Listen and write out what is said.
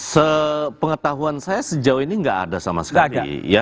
sepengetahuan saya sejauh ini nggak ada sama sekali